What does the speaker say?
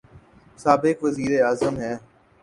سابق وزیر اعظم ہیں۔